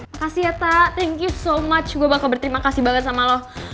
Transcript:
makasih ya pak thank you so much gue bakal berterima kasih banget sama lo